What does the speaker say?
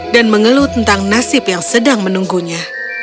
dan mengeluh tentang nasib yang sedang menunggunya